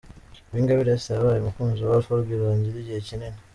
Uwingabire Esther yabaye umukunzi wa Alpha Rwirangira igihe kinini.